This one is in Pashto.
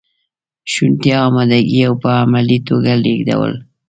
شونتیا، امادګي او په عملي توګه لیږدول.